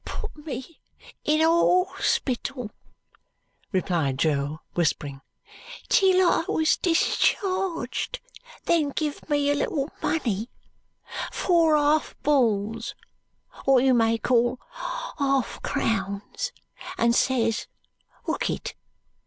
"Put me in a horsepittle," replied Jo, whispering, "till I was discharged, then giv me a little money four half bulls, wot you may call half crowns and ses 'Hook it!